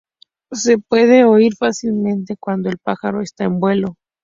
Se puede oír fácilmente cuando el pájaro esta en vuelo.